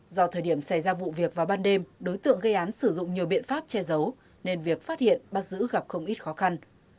do thời điểm xảy ra vụ việc vào ban đêm đối tượng gây án sử dụng nhiều biện pháp che giấu nên việc phát hiện bắt giữ gặp không ít khó khăn